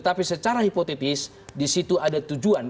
tapi secara hipotetis di situ ada tujuan